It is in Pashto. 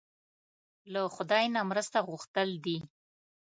له خدای نه مرسته غوښتل دي.